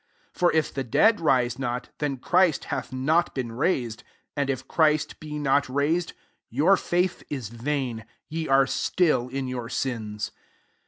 16 For if the dead rise not, then Christ hath not been raised. 17 And if Christ be not raised, your faith f« vain; ye are still in your sins.